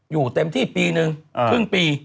อยู่เต็มที่ปีนึงครึ่งปี